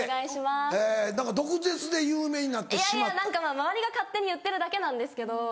周りが勝手に言ってるだけなんですけど。